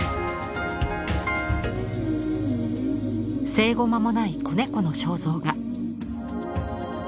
生後間もない子猫の肖像画。